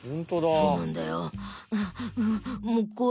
そうなんだよ。